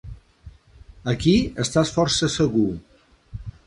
Aquí estàs força segur.